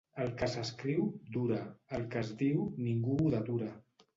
El que s'escriu, dura; el que es diu, ningú ho detura.